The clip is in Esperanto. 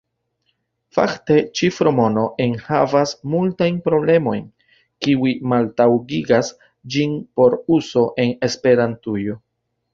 Fakte ĉifromono enhavas multajn problemojn, kiuj maltaŭgigas ĝin por uzo en Esperantujo.